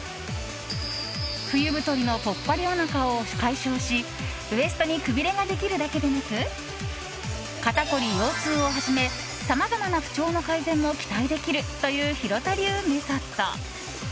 冬太りのぽっこりおなかを解消しウエストにくびれができるだけでなく肩凝り、腰痛をはじめさまざまな不調の改善も期待できるという廣田流メソッド。